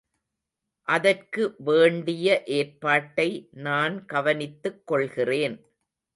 அதற்கு வேண்டிய ஏற்பாட்டை நான் கவனித்துக் கொள்கிறேன்.